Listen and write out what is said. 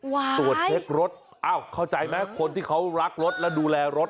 วายยยยยยยยตรวจเช็กรถอ้าวเข้าใจไหมคนที่เขารักรถแล้วดูแลรถ